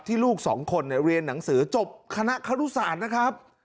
ลูกสองคนเรียนหนังสือจบคณะครุศาสตร์นะครับ